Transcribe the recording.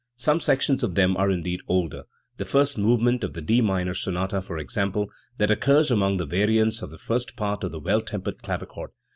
Some sections of them are indeed older, the first movement of the D minor sonata, for example, that occurs among the variants of the first part of the Well tempered Clavichord.